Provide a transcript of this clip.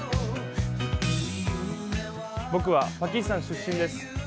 僕はパキスタン出身です。